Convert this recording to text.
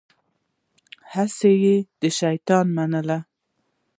هسې يې د شيطان منله.